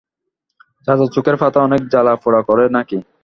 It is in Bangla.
চাচার চোখের পাতা অনেক জ্বালা-পোড়া করে নাকি।